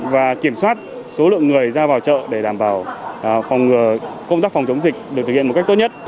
và kiểm soát số lượng người ra vào chợ để đảm bảo phòng công tác phòng chống dịch được thực hiện một cách tốt nhất